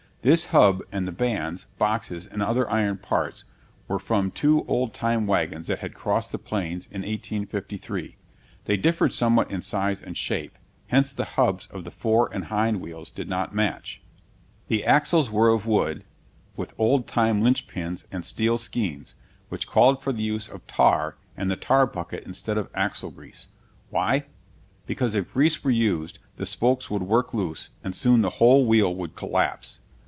This hub and the bands, boxes, and other iron parts were from two old time wagons that had crossed the Plains in 1853. They differed somewhat in size and shape; hence the hubs of the fore and hind wheels did not match. [Illustration: Launching the schooner to cross the river.] The axles were of wood, with the old time linchpins and steel skeins, which called for the use of tar and the tar bucket instead of axle grease. Why? Because if grease were used, the spokes would work loose, and soon the whole wheel would collapse.